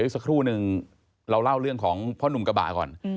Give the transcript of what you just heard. สักครู่หนึ่งเราเล่าเรื่องของพ่อนุ่มกระบะก่อน